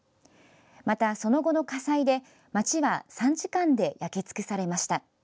また、その後の火災で街は３時間で焼き尽くされました。